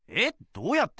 どうやって？